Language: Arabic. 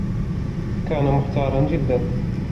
كان محتارا جدا.